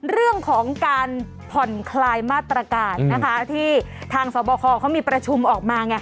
เรื่องของการผ่อนคลายมาตรการนะคะที่ทางสอบคอเขามีประชุมออกมาไง